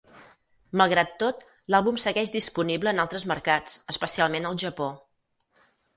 Malgrat tot, l'àlbum segueix disponible en altres mercats, especialment al Japó.